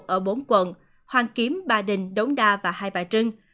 ở bốn quận hoàn kiếm ba đình đống đa và hai bà trưng